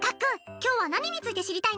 今日は何について知りたいの？